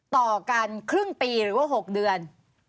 ต่อกันครึ่งปีหรือว่า๖เดือน